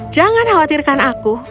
jangan khawatirkan aku